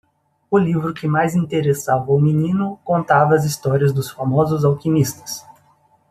O livro que mais interessava ao menino contava as histórias dos famosos alquimistas.